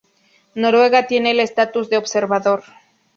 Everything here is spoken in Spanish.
Noruega tiene el estatus de observador.